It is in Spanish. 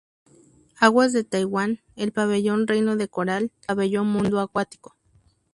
Aguas de Taiwán, el Pabellón Reino de Coral y el Pabellón Mundo acuático.